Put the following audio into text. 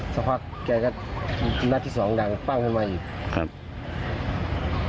สักพักแกก็นัดที่สองดังปั้งขึ้นมาอีกครับ